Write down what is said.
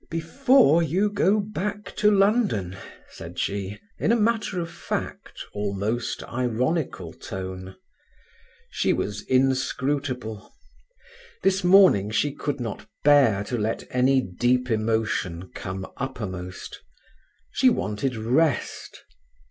"Before you go back to London," said she, in a matter of fact, almost ironical tone. She was inscrutable. This morning she could not bear to let any deep emotion come uppermost. She wanted rest.